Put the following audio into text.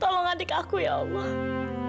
tolong adik aku ya allah